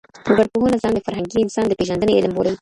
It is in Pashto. وګړپوهنه ځان د فرهنګي انسان د پېژندني علم بولي.